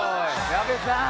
矢部さん！